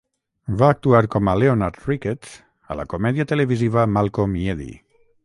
Va actuar com a "Leonard Rickets" a la comèdia televisiva "Malcolm i Eddie".